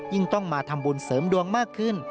ต้องมาทำบุญเสริมดวงมากขึ้น